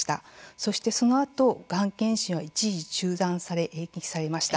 そしてその後がん検診は一時中断、延期されました。